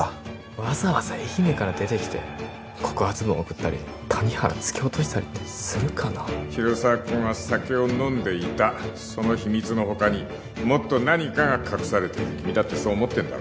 わざわざ愛媛から出てきて告発文送ったり谷原突き落としたりするかな広沢君は酒を飲んでいたその秘密の他にもっと何かが隠されてる君だってそう思ってるんだろ